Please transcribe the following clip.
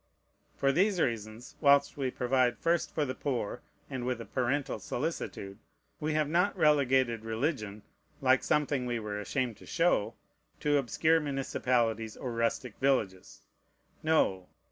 For these reasons, whilst we provide first for the poor, and with a parental solicitude, we have not relegated religion (like something we were ashamed to show) to obscure municipalities or rustic villages. No!